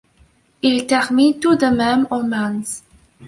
Il termine tout de même au Mans.